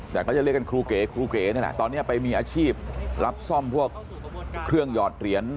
แต่ก็จะเรียกกันครูเก๋ครูเก๋นี่แหละตอนนี้ไปมีอาชีพรับซ่อมพวกเครื่องหยอดเหรียญ